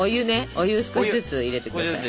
お湯少しずつ入れて下さい。